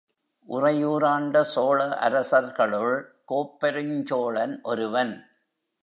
உறையூராண்ட சோழ அரசர்களுள், கோப்பெருஞ் சோழன் ஒருவன்.